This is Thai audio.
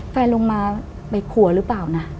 แฟนลงไปหัวรึเปล่าน่ะ